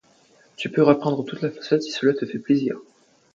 Tu peux repeindre toute la façade si cela te fait plaisir.